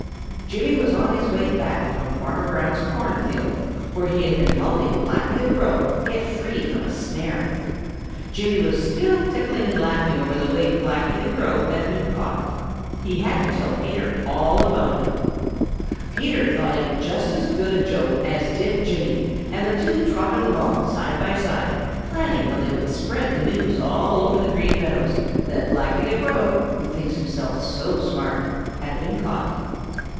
Jimmy was on his way back from Farmer Brown's corn field, where he had been helping Blacky the Crow get free from a snare. Jimmy was still tickling and laughing over the way Blacky the Crow had been caught. He had to tell Peter Rabbit all about it. Peter thought it just as good a joke as did Jimmy, and the two trotted along side by side, planning how they would spread the news all over the Green Meadows that Blacky the Crow, who thinks himself so smart, had been caught.